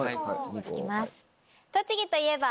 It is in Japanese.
行きます。